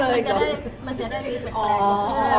อะไรมั้ยครับ